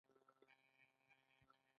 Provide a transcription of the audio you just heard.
هغه هغې ته په درناوي د لمحه کیسه هم وکړه.